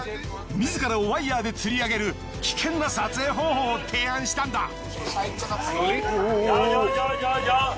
自らをワイヤーで吊り上げる危険な撮影方法を提案したんだ。